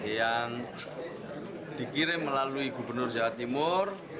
yang dikirim melalui gubernur jawa timur